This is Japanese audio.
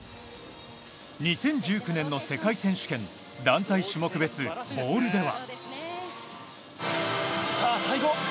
２０１９年の世界選手権団体種目別ボールでは。